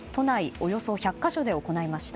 およそ１００か所で行いました。